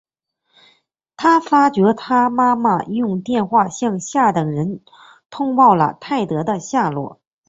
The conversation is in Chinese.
他发觉他妈妈用电话向下等人通报了泰德的下落。